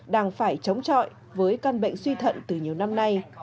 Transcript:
đang phải chống chọi với căn bệnh suy thận từ nhiều năm nay